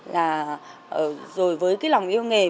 là rồi với cái lòng yêu nghề